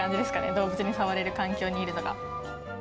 動物に触れる環境にいるのが。